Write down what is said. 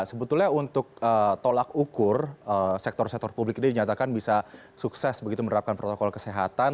sebetulnya untuk tolak ukur sektor sektor publik ini dinyatakan bisa sukses begitu menerapkan protokol kesehatan